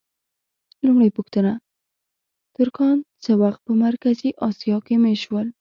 لومړۍ پوښتنه: ترکان څه وخت په مرکزي اسیا کې مېشت شول؟